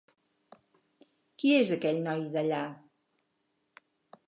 Qui és aquell noi dallà?